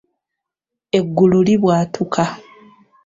Eggulu libwatuka.